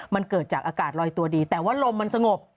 มันเกิดจากอากาศลอยตัวดีแต่ว่าลมมันสงบ